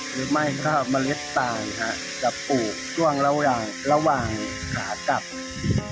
หรือไม่ค่ะมันเล็กต่างค่ะจะปลูกช่วงระหว่างระหว่างขากับจัดการมอบใต้ข้างหลัง